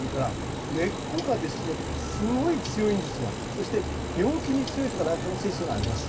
そして病気に強いとかなんかの性質があります。